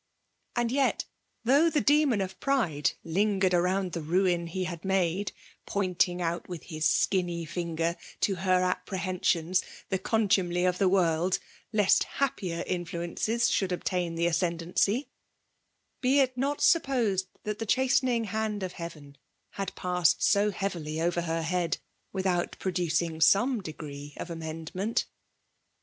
And yet, though the demon of Pride lin gered around the ruin he had made, pointing* out with his skinny finger to her apprehensions the contumely of the world, lest happier in fluences should obtain the ascendancy, be it not supposed that the chastening hand of Heaven had passed so heavily over her head without producing some degree of amendment